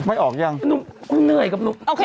ไม่ออกยังสง่ายแม่นุ่มมึงเหนื่อยครับหนุ่ม